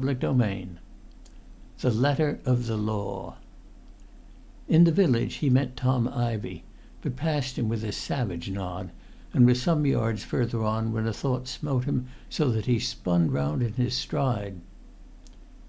[Pg 100] X THE LETTER OF THE LAW In the village he met Tom Ivey, but passed him with a savage nod, and was some yards further on when a thought smote him so that he spun round in his stride.